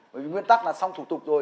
bởi vì nguyên tắc là xong thủ tục rồi